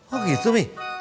oh gitu pi